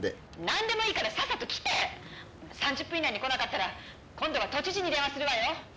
☎何でもいいからさっさと来て！☎３０分以内に来なかったら今度は都知事に電話するわよ！